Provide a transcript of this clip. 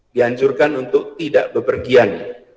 dianjurkan untuk tidak berpergian